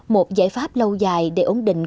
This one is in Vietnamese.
một giải pháp lâu dài để ổn định